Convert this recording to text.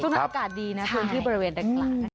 ตรงนี้อากาศดีนะทางที่บริเวณด้านหลัง